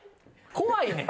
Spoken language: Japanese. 怖いねん。